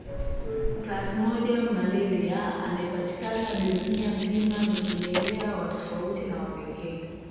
Plasmodium malariae anayepatikana dunia nzima ni kimelea wa tofauti na wa pekee